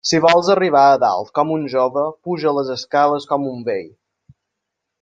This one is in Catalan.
Si vols arribar a dalt com un jove, puja les escales com un vell.